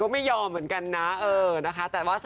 ลับบากติดไม่ยอม